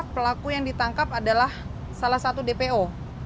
pelaku yang ditangkap adalah salah satu dpo